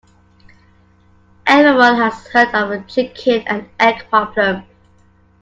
Everyone has heard of the chicken and egg problem.